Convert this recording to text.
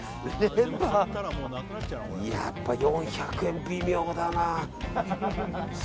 やっぱ４００円、微妙だな。